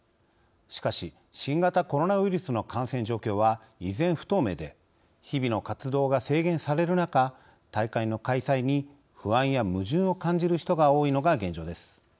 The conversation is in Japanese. しかし、新型コロナウイルスの感染状況は依然、不透明で日々の活動が制限される中大会の開催に不安や矛盾を感じる人が多いのが現状です。